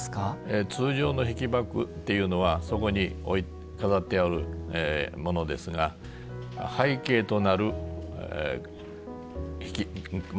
通常の引箔っていうのはそこに飾ってあるものですが背景となる金紙ですね